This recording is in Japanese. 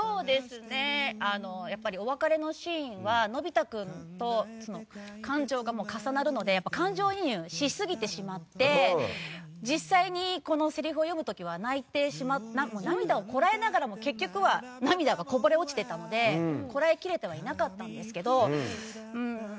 お別れのシーンはのび太君と感情が重なるので感情移入しすぎてしまって実際にセリフを読む時は涙をこらえながらも結局は、涙がこぼれ落ちてたのでこらえきれてはいなかったんですけど。